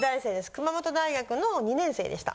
熊本大学の２年生でした。